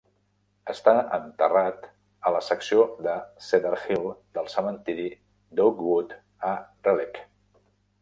Està enterrat a la secció de Cedar Hill del cementiri d'Oakwood, a Raleigh.